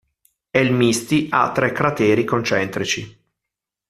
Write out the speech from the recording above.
El Misti ha tre crateri concentrici.